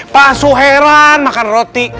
pak su heran makan roti